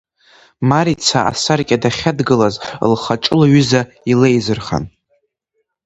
Марица, асаркьа дахьадгылаз, лхаҿы лҩыза илеизырхан.